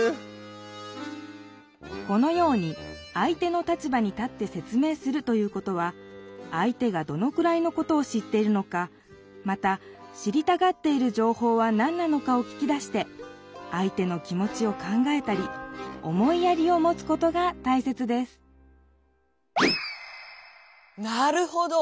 このように「相手の立場に立って説明する」ということは相手がどのくらいのことを知っているのかまた知りたがっているじょうほうは何なのかを聞き出して相手の気もちを考えたり思いやりをもつことがたいせつですなるほど！